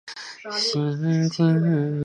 则弗里曼照字面上来看就是自由之人。